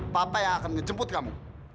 papa yang akan menjemput kamu